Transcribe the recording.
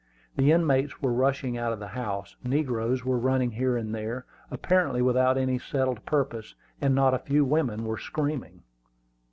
The inmates were rushing out of the house, negroes were running here and there, apparently without any settled purpose, and not a few women were screaming.